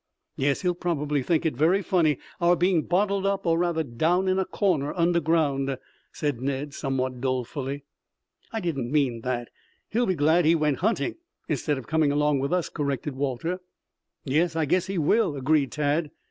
"Yes, he'll probably think it's very funny, our being bottled up or rather down in a corner underground," said Ned somewhat dolefully. "I didn't mean that. He'll be glad he went hunting instead of coming along with us," corrected Walter. "Yes, I guess he will," agreed Tad.